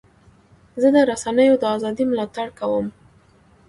زه د رسنیو د ازادۍ ملاتړ کوم.